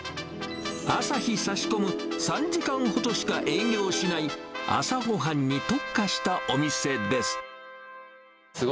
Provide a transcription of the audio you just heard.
朝日さし込む３時間ほどしか営業しない、朝ごはんに特化したお店です。